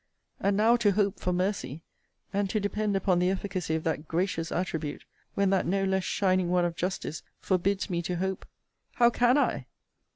and now to hope for mercy; and to depend upon the efficacy of that gracious attribute, when that no less shining one of justice forbids me to hope; how can I!